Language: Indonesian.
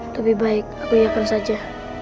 lebih baik aku yakin saja